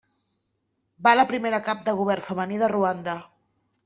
Va la primera cap de govern femení de Ruanda.